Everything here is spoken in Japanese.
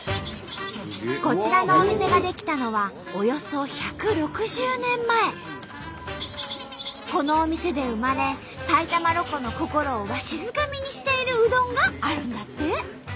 こちらのお店が出来たのはおよそこのお店で生まれ埼玉ロコの心をわしづかみにしているうどんがあるんだって。